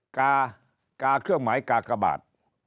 กากาเครื่องหมายกากบาท